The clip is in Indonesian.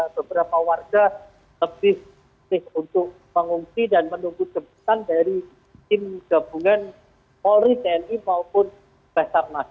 beberapa warga lebih kris untuk mengungsi dan menunggu jemputan dari tim gabungan polri tni maupun basar nas